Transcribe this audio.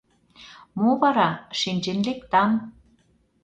Мо вара, шинчен лектам.